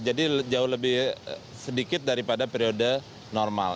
jadi jauh lebih sedikit daripada periode normal